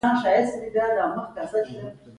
سود د زړه سکون ختموي.